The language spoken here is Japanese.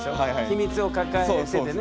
秘密を抱えててね。